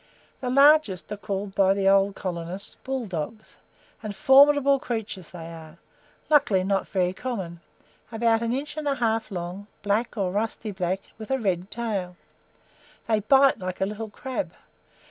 The largest are called by the old colonists, "bull dogs," and formidable creatures they are luckily not very common, about an inch and a half long, black, or rusty black, with a red tail. They bite like a little crab.